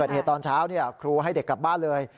ตอนเช้าครูให้เด็กกลับบ้านเลย